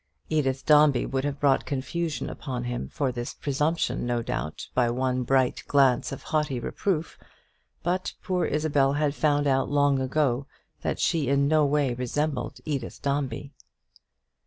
Edith Dombey would have brought confusion upon him for this presumption, no doubt, by one bright glance of haughty reproof; but poor Isabel had found out long ago that she in no way resembled Edith Dombey.